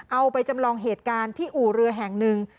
เอาไปจำลองเหตุการณ์ที่อู่เรือแห่งหนึ่ง